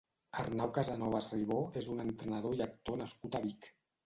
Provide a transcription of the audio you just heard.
Arnau Casanovas Ribó és un entrenedor i actor nascut a Vic.